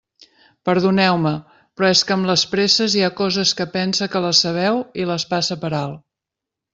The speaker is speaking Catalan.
Perdoneu-me, però és que amb les presses hi ha coses que pense que les sabeu i les passe per alt.